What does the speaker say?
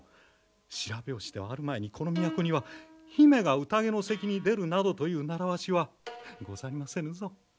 白拍子ではあるまいにこの都には姫が宴の席に出るなどという習わしはございませぬぞ。